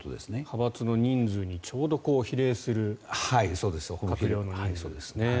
派閥の人数にちょうど比例する閣僚の人数。